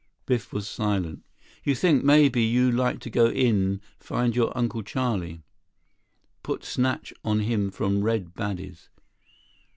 Biff was silent. "You think maybe you like to go in find your Uncle Charlie. Put snatch on him from Red baddies?"